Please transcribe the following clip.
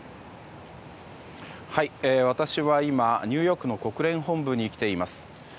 私は今、ニューヨークの国連本部に来ています。